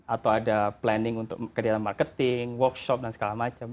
atau ada planning untuk kegiatan marketing workshop dan segala macam